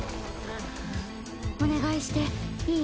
お願いしていい？